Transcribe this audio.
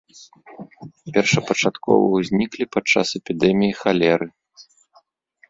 Першапачаткова ўзніклі падчас эпідэміі халеры.